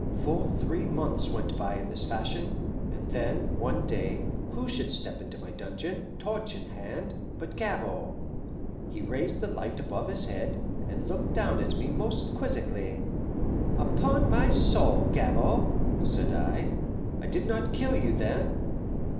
Full three months went by in this fashion, and then, one day, who should step into my dungeon, torch in hand, but Gabord! He raised the light above his head, and looked down at me most quizzically. "Upon my soul Gabord!" said I. "I did not kill you, then?"